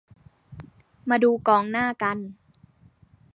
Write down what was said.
มาดูกองหน้ากัน